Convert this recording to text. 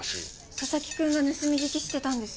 佐々木くんが盗み聞きしてたんです。